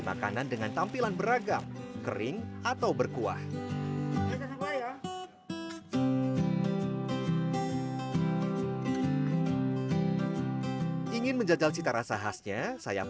makanan dengan tampilan beragam kering atau berkuah ya ingin menjajal cita rasa khasnya saya